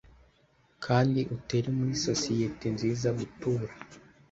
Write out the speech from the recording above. Kandi utere muri sociyete nziza gutura